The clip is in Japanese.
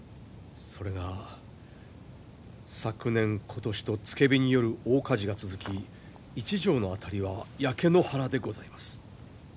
それが昨年今年と付け火による大火事が続き一条の辺りは焼け野原でございます。